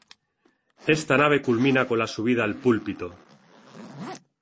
Esta nave culmina con la subida al púlpito.